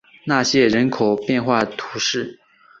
纳谢人口变化图示